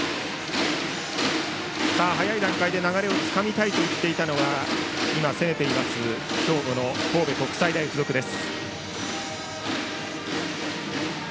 早い段階で流れをつかみたいと言っていたのは今、攻めている兵庫の神戸国際大付属です。